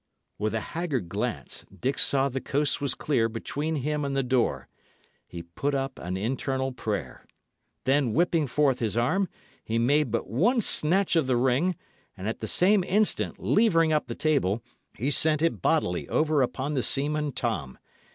With a haggard glance, Dick saw the coast was clear between him and the door. He put up an internal prayer. Then whipping forth his arm, he made but one snatch of the ring, and at the same instant, levering up the table, he sent it bodily over upon the seaman Tom.